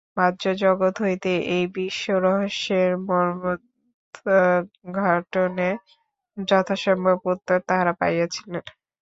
বাহ্য-জগৎ হইতে এই বিশ্বরহস্যের মর্মোদ্ঘাটনে যথাসম্ভব উত্তর তাঁহারা পাইয়াছিলেন।